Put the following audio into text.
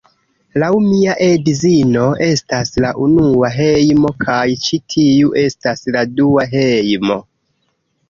Laŭ mia edzino, estas la unua hejmo, kaj ĉi tiu estas la dua hejmo.